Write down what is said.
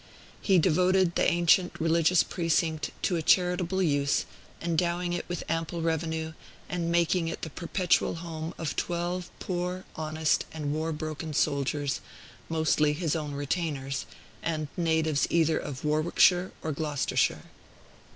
He devoted the ancient religious precinct to a charitable use, endowing it with an ample revenue, and making it the perpetual home of twelve poor, honest, and war broken soldiers, mostly his own retainers, and natives either of Warwickshire or Gloucestershire.